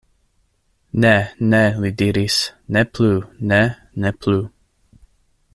Ne, ne, li diris, Ne plu, ne, ne plu.